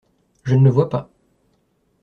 Je ne le vois pas.